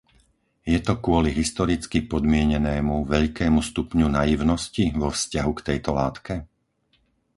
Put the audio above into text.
Je to kvôli historicky podmienenému, veľkému stupňu naivnosti vo vzťahu k tejto látke?